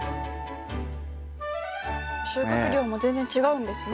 収穫量も全然違うんですね